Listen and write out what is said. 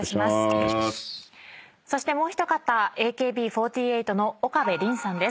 そしてもう一方「ＡＫＢ４８」の岡部麟さんです。